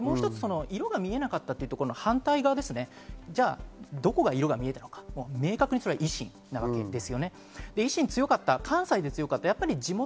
色が見えなかったということの反対側、じゃあどこが色が見えたのか、明確にそれは維新です。